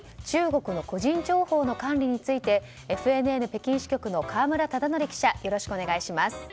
中国の個人情報の管理についてＦＮＮ北京支局の河村忠徳記者よろしくお願いします。